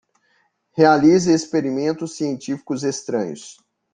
Realize experimentos científicos estranhos